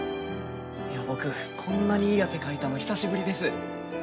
いや僕こんなにいい汗かいたの久しぶりです。